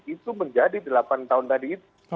itu menjadi delapan tahun tadi itu